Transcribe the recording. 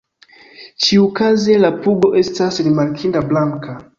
Ĉiukaze la pugo estas rimarkinda blanka.